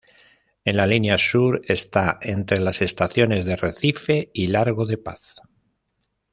En la Línea Sur está entre las estaciones de Recife y Largo da Paz.